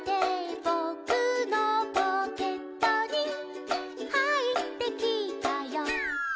「ぼくのポケットにはいってきたよ」